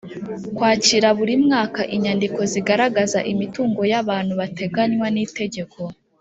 kwakira buri mwaka inyandiko zigaragaza imitungo y’abantu bateganywa n’itegeko;